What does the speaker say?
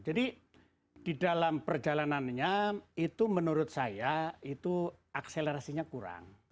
jadi di dalam perjalanannya itu menurut saya itu akselerasinya kurang